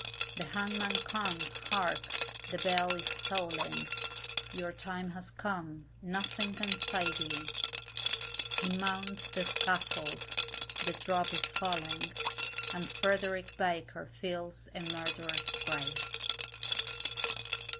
The hangman comes, hark, the bell is tolling, Your time has come, nothing can save you, He mounts the scaffold, the drop is falling, And Frederick Baker fills a murderer's grave.